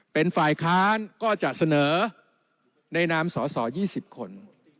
เป็นฝ่ายค้านก็จะเสนอในนามสส๒๐คน